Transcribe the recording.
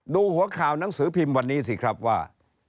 ดูหัวข่าวหนังสือพิมพ์วันนี้สิครับว่า